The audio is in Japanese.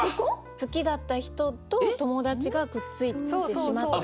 好きだった人と友達がくっついてしまった。